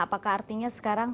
apakah artinya sekarang